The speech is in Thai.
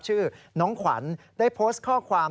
ชื่อน้องขวัญได้โพสต์ข้อความ